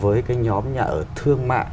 với cái nhóm nhà ở thương mại